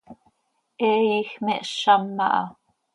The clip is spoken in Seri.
He iij me hszam aha.